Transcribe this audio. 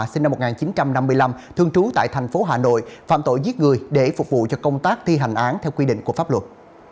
sinh năm một nghìn chín trăm năm mươi năm thường trú tại thành phố hà nội phạm tội giết người để phục vụ cho công tác thi hành án theo quy định của pháp luật